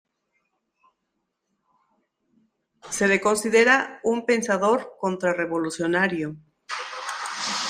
Se le considera un pensador contrarrevolucionario.